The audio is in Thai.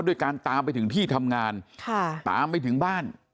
ด้วยการตามไปถึงที่ทำงานค่ะตามไปถึงบ้าน